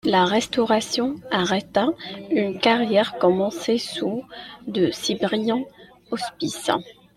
La Restauration arrêta une carrière commencée sous de si brillants auspices.